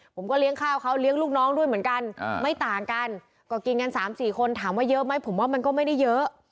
ผมก็เลี้ยงข้าวเขาเลี้ยงลูกน้องด้วยเหมือนกันไม่ต่างกันก็กินกัน๓๔คนถามว่าเยอะไหมผมว่ามันก็ไม่ได้เยอะ